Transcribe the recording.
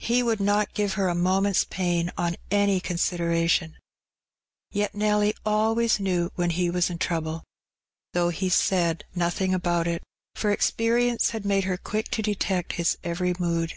He would not give her a moment's pain on any consideration. Yet Nelly always knew when he was in trouble, though he said 88 Heb Benny. nothing about it; for experience had made her quick to detect his every mood.